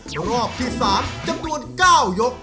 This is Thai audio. รอบที่๓จำนวน๙ยก